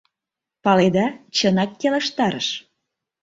Паледа, чынак келыштарыш.